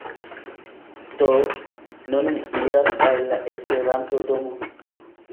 Do, nun mi iras al la Esperanto-domo